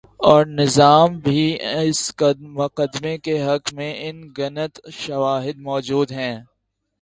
اورنظام بھی اس مقدمے کے حق میں ان گنت شواہد مو جود ہیں۔